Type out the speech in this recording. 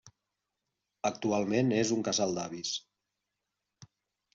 Actualment és un casal d'avis.